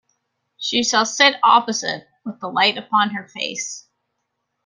She shall sit opposite, with the light upon her face.